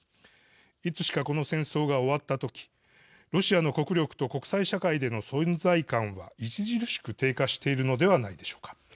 いつしか、この戦争が終わった時ロシアの国力と国際社会での存在感は著しく低下しているのではないでしょうか。